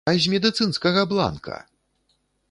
А з медыцынскага бланка!